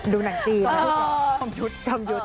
ดูหนังจีนจำยุดจำยุด